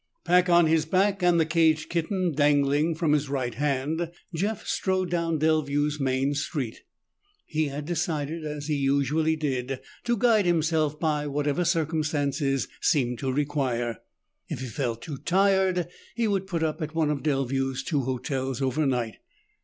Pack on his back and the caged kitten dangling from his right hand, Jeff strode down Delview's main street. He had decided, as he usually did, to guide himself by whatever circumstances seemed to require. If he felt too tired, he would put up at one of Delview's two hotels overnight.